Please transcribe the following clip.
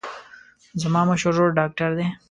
زما مشر ورور ډاکتر دی.